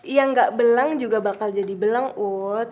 ya gak belang juga bakal jadi belang ut